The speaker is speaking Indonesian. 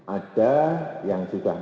ada yang sudah maafkan